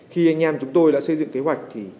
khi anh em chúng tôi đã xây dựng kế hoạch